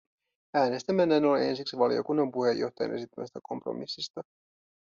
Äänestämme näin ollen ensiksi valiokunnan puheenjohtajan esittämästä kompromissista.